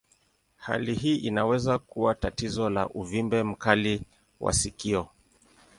Hali hii inaweza kuwa tatizo la uvimbe mkali wa sikio.